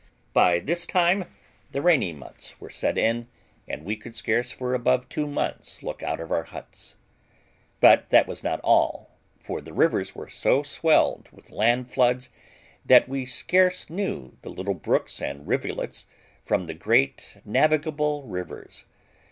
By this time the rainy months were set in, and we could scarce, for above two months, look out of our huts. But that was not all, for the rivers were so swelled with the land floods, that we scarce knew the little brooks and rivulets from the great navigable rivers.